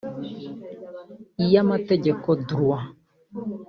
iy’amategeko (Droit)